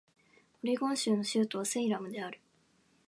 オレゴン州の州都はセイラムである